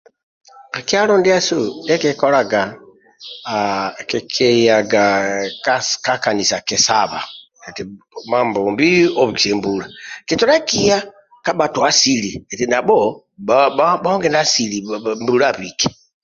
Ka kyalo ndiasu ndiye kikolaga kikiyaga ka kanisa kisaba eti Mambombi obikise mbula kitodha kiya ka batwa asili kiti nabho bahonge na asili eti mbula abike